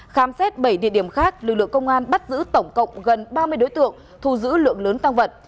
khám xét bảy địa điểm khác lực lượng công an bắt giữ tổng cộng gần ba mươi đối tượng thu giữ lượng lớn tăng vật